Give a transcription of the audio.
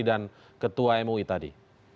dan ketua mui tadi